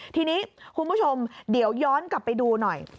ทีนี้คุณผู้ชมเดี๋ยวย้อนกลับไปดูหน่อย